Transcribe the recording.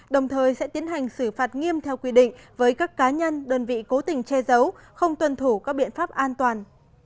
đồng thời sẽ tiến hành xử phạt nghiêm theo quy định với các cá nhân đơn vị cố tình che giấu không tuân thủ các biện pháp an toàn